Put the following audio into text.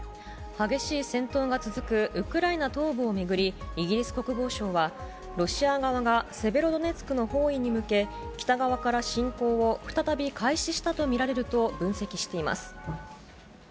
激しい戦闘が続くウクライナ東部を巡り、イギリス国防省は、ロシア側がセベロドネツクの包囲に向け、北側から侵攻を再び開始したと見られると分析しています。